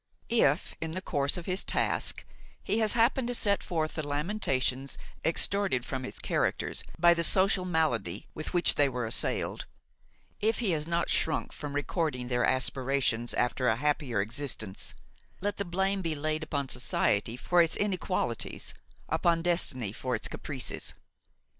If, in the course of his task, he has happened to set forth the lamentations extorted from his characters by the social malady with which they were assailed; if he has not shrunk from recording their aspirations after a happier existence, let the blame be laid upon society for its inequalities, upon destiny for its caprices!